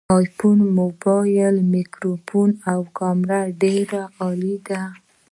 د آیفون مبایل مایکروفون او کامره ډیره عالي ده